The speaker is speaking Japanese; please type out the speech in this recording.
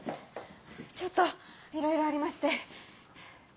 ちょっといろいろありまして。